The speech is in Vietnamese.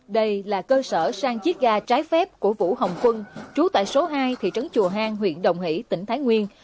đây là cơ sở sang chết ga trái phép của vũ hồng quân trú tại số hai thị trấn chùa hàng huyện đồng hỷ tỉnh thái nguyên